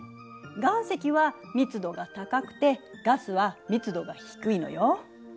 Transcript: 岩石は密度が高くてガスは密度が低いのよ。